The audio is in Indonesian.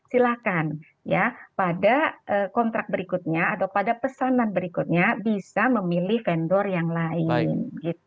silahkan ya pada kontrak berikutnya atau pada pesanan berikutnya bisa memilih vendor yang lain